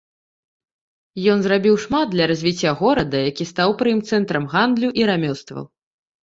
Ён зрабіў шмат для развіцця горада, які стаў пры ім цэнтрам гандлю і рамёстваў.